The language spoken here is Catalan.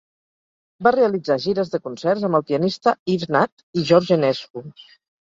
Va realitzar gires de concerts amb el pianista Yves Nat i George Enescu.